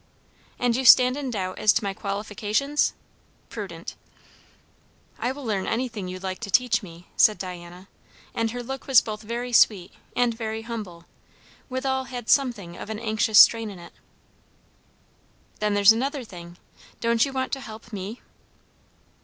"And you stand in doubt as to my qualifications? Prudent!" "I will learn anything you like to teach me," said Diana; and her look was both very sweet and very humble; withal had something of an anxious strain in it. "Then there's another thing; don't you want to help me?"